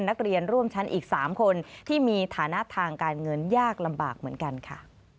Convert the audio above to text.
นักเรียนร่วมชั้นอีก๓คนที่มีฐานะทางการเงินยากลำบากเหมือนกันค่ะ